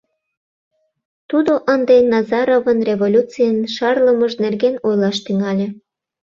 Тудо ынде Назаровын революцийын шарлымыж нерген ойлаш тӱҥале.